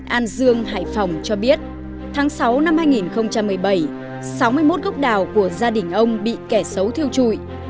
năm hai nghìn một mươi bảy sáu mươi một gốc đào của gia đình ông bị kẻ xấu thiêu trụi